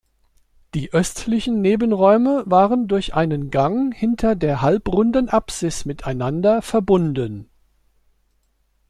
Die östlichen Nebenräume waren durch einen Gang hinter der halbrunden Apsis miteinander verbunden.